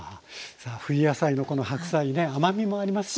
さあ冬野菜のこの白菜ね甘みもありますしね。